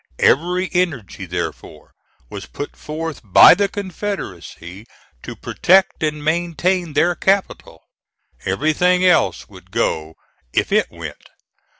Every energy, therefore, was put forth by the Confederacy to protect and maintain their capital. Everything else would go if it went.